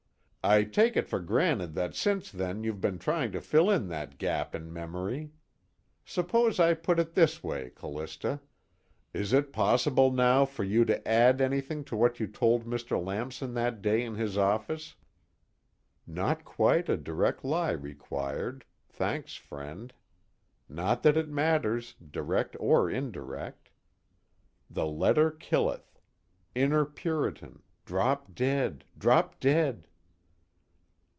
I take it for granted that since then you've been trying to fill in that gap in memory. Suppose I put it this way, Callista: is it possible now for you to add anything to what you told Mr. Lamson that day in his office?" _Not quite a direct lie required thanks, friend. Not that it matters, direct or indirect. The letter killeth inner Puritan, drop dead, drop dead!